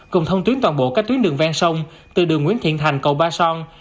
cùng thông tuyến toàn bộ các tuyến đường ven sông từ đường nguyễn thiện thành cầu ba son